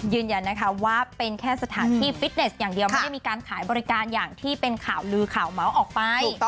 ยืนยันนะคะว่าเป็นแค่สถานที่ฟิตเนสอย่างเดียวไม่ได้มีการขายบริการอย่างที่เป็นข่าวลือข่าวเมาส์ออกไป